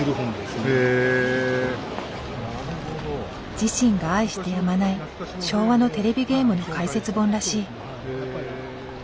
自身が愛してやまない昭和のテレビゲームの解説本らしい。